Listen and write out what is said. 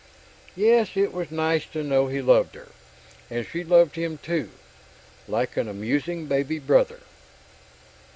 Yes, it was nice to know he loved her. And she loved him, too like an amusing baby brother.